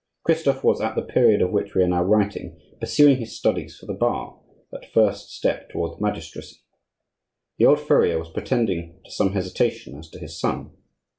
Christophe was, at the period of which we are now writing, pursuing his studies for the bar, that first step toward the magistracy. The old furrier was pretending to some hesitation as to his son.